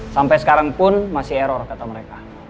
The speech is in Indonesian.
sampai sekarang pun masih error kata mereka